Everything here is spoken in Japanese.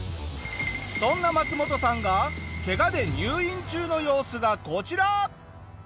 そんなマツモトさんがケガで入院中の様子がこちら。